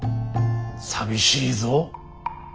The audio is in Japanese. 寂しいぞ。